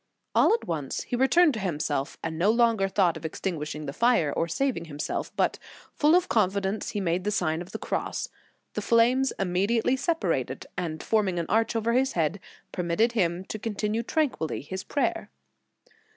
All at once he returned to himself, and no longer thought of extinguishing the fire, or saving himself, but, full of confidence, he made the Sign of the Cross. The flames immediately separated, and forming an arch over his head, permitted him to continue tranquilly his prayer.